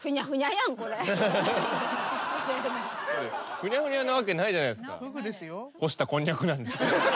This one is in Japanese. ふにゃふにゃなわけないじゃないですか。